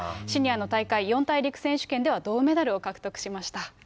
シニアの大会四大陸選手権では、銅メダルを獲得しました。